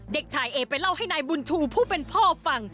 เด็กชายเอไปเล่าให้นายบุญชูผู้เป็นพ่อฟัง